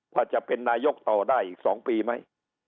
ว่าจะเป็นนายกต่อได้อีก๒ปีไหม